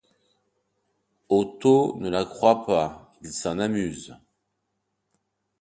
Otto ne la croit pas, il s'en amuse.